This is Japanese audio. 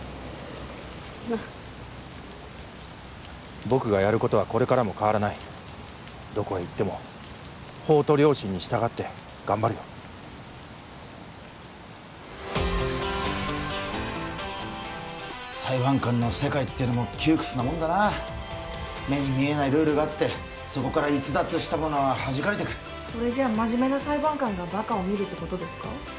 そんな僕がやることはこれからも変わらないどこへ行っても法と良心に従って頑張るよ裁判官の世界ってのも窮屈なもんだな目に見えないルールがあってそこから逸脱した者ははじかれてくそれじゃ真面目な裁判官がバカを見るってことですか？